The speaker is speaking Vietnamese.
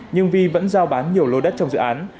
nhưng vi vẫn giao bán nhiều lô đất trong dự án